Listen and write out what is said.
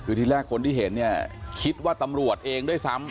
คือที่แรกคนที่เห็นเนี่ยคิดว่าตำรวจเองด้วยซ้ำ